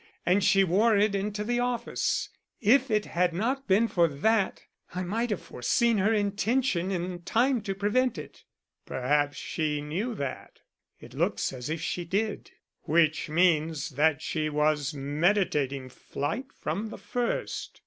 And she wore it into the office. If it had not been for that I might have foreseen her intention in time to prevent it." "Perhaps she knew that." "It looks as if she did." "Which means that she was meditating flight from the first."